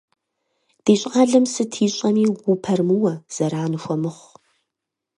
Ди щӏалэм сыт ищӏэми упэрымыуэ, зэран ухуэмыхъу.